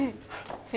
え？